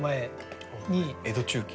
江戸中期。